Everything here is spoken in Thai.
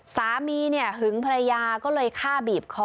สามีเนี่ยหึงภรรยาก็เลยฆ่าบีบคอ